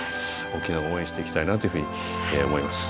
沖縄を応援していきたいなというふうに思います。